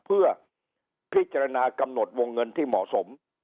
เพื่อพิจารณากำหนดวงเงินที่เหมาะสม